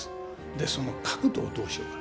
でその角度をどうしようか？